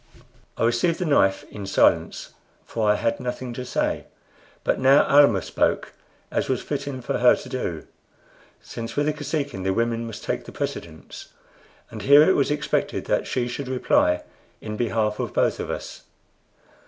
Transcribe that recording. I received the knife in silence, for I had nothing to say; but now Almah spoke, as was fitting for her to do, since with the Kosekin the women must take the precedence; and here it was expected that she should reply in behalf of both of us.